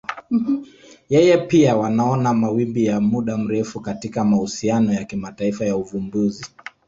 Yeye pia wanaona mawimbi ya muda mrefu katika mahusiano ya kimataifa ya uvumbuzi.